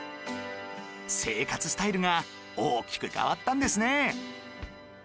生活スタイルが大きく変わったんですね